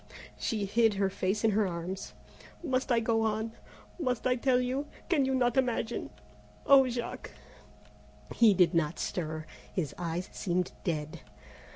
She hid her face in her arms. "Must I go on? Must I tell you can you not imagine, oh! Jack " He did not stir; his eyes seemed dead.